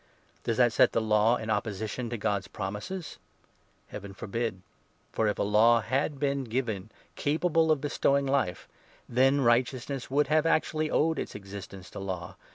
Does that set the Law in opposition to God's promises ? 21 Heaven forbid ! For, if a Law had been given capable of bestowing Life, then righteousness would have actually owed its existence to Law.